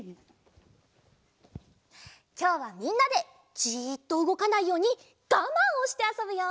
きょうはみんなでじっとうごかないようにガマンをしてあそぶよ。